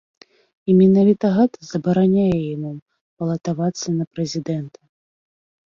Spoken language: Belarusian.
І менавіта гэта забараняе яму балатавацца на прэзідэнта.